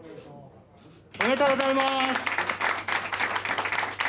おめでとうございます！